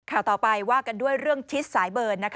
ข่าวต่อไปว่ากันด้วยเรื่องชิดสายเบิร์น